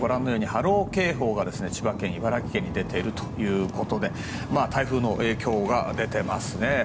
波浪警報が千葉県、茨城県に出ているということで台風の影響が出ていますね。